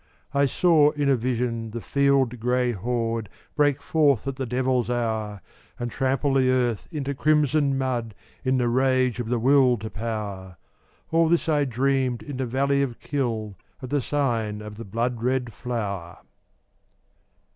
I saw in a vision the field gray horde Break forth at the devil's hour, And trample the earth into crimson mud In the rage of the Will to Power, All this I dreamed in the valley of Kyll, At the sign of the blood red flower.